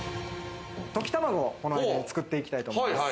溶き卵を作っていきたいと思います。